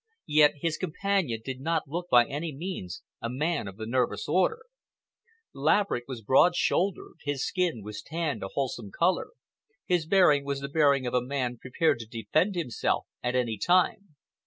Yet his companion did not look by any means a man of the nervous order. Laverick was broad shouldered, his skin was tanned a wholesome color, his bearing was the bearing of a man prepared to defend himself at any time.